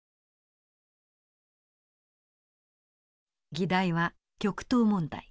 議題は極東問題。